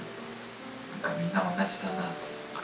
なんかみんな同じだなって。